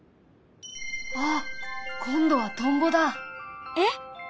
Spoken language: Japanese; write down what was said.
あっ今度はトンボだ！え？